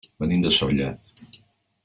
Venim de Sóller.